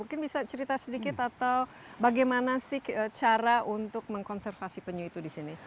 mungkin bisa cerita sedikit atau bagaimana sih cara untuk mengkonservasi penyu itu di sini